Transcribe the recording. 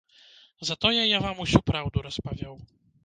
Затое я вам усю праўду распавёў.